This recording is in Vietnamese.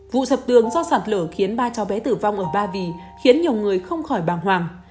vụ sập tường do sạt lở khiến ba cháu bé tử vong ở ba vì khiến nhiều người không khỏi bàng hoàng